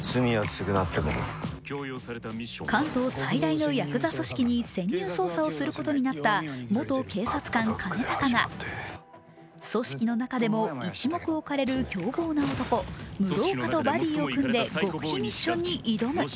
関東最大のやくざ組織に潜入捜査をすることになった元警察官、兼高が組織の中でも一目置かれる凶暴な男、室岡とバディを組み極秘ミッションに挑む。